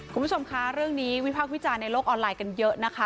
คุณผู้ชมคะเรื่องนี้วิพากษ์วิจารณ์ในโลกออนไลน์กันเยอะนะคะ